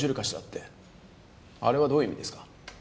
あれはどういう意味ですか？